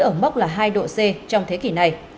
ở mức là hai độ c trong thế kỷ này